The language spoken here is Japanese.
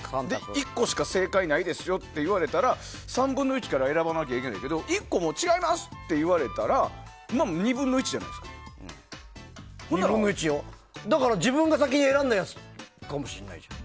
１個しか正解ないですよって言われたら３分の１から選ばれないといけないから１個が違いますって言われたら２分の１よ。だから、自分が先に選んだやつになっちゃうじゃん。